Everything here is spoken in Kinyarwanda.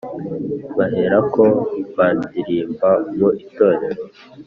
baherako bandirimba mu itorero